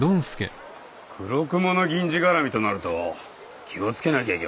黒雲の銀次がらみとなると気を付けなきゃいけませんね。